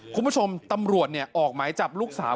คุณผู้ชมตำรวจออกหมายจับลูกสาว